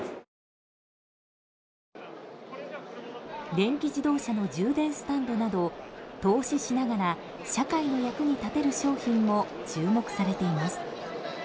電気自動車の充電スタンドなど投資しながら社会の役に立てる商品も注目されています。